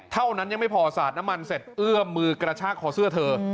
เท่านั้นยังไม่พอสาดน้ำมันเสร็จเอื้อมมือกระชากคอเสื้อเธอ